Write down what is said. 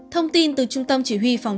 thông tin từ trung tâm chỉ huy phòng